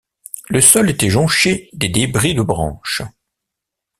Le sol était jonché des débris de branches.